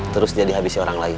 terus dia dihabisi orang lain